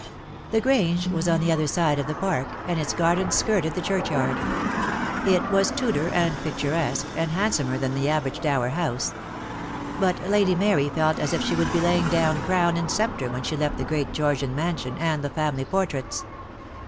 The Grange was on the other side of the Park, and its gardens skirted the churchyard. It was Tudor and picturesque, and handsomer than the average dower house; but Lady Mary felt as if she would be laying down crown and sceptre when she left the great Georgian mansion and the family 56 DEAD LOVE HAS CHAINS. portraits.